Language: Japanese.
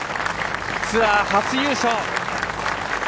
ツアー初優勝。